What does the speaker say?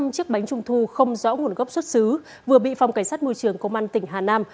gần một sáu trăm linh chiếc bánh trùng thu không rõ nguồn gốc xuất xứ vừa bị phòng cảnh sát môi trường công an tỉnh hà nam